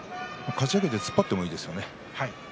かち上げて突っ張ってもいいですよね。